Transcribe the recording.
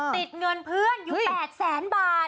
ติดเงินเพื่อนอยู่๘๐๐๐๐